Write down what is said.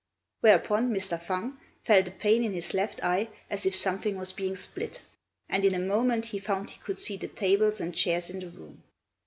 Whereupon Mr. Fang felt a pain in his left eye as if something was being split, and in a moment he found he could see the tables and chairs in the room.